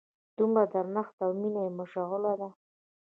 دومره درنښت او مینه یې مشغله ده.